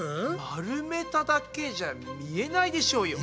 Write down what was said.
まるめただけじゃ見えないでしょうよ。